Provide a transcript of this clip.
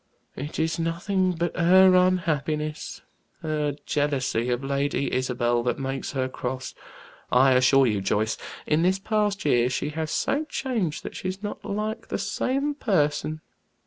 It is nothing but her unhappiness, her jealousy of Lady Isabel, that makes her cross. I assure you, Joyce, in this past year she had so changed that she's not like the same person.